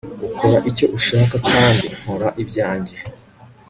ukora icyo ushaka - kandi nkora ibyanjye